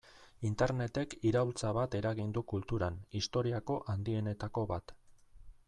Internetek iraultza bat eragin du kulturan, historiako handienetako bat.